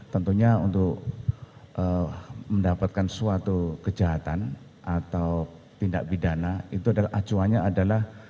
tentunya untuk mendapatkan suatu kejahatan atau tindak pidana itu adalah acuannya adalah